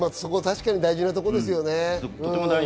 大事なところですよね。